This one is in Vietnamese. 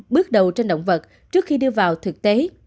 bước đầu trên động vật trước khi đưa vào thực tế